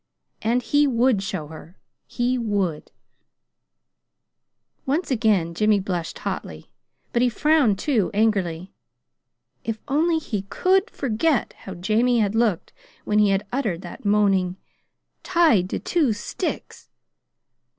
And he would show her. He would Once again Jimmy blushed hotly. But he frowned, too, angrily: if only he COULD forget how Jamie had looked when he had uttered that moaning "tied to two sticks!"